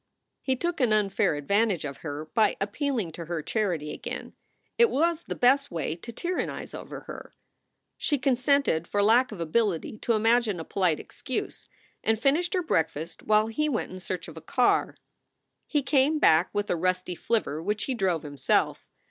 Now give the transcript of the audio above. He took an unfair advantage of her by appealing to her charity again. It was the best way to tyrannize over her. She consented for lack of ability to imagine a polite excuse, and finished her breakfast while he went in search of a car. SOULS FOR SALE 147 He came back with a rusty flivver which he drove himself.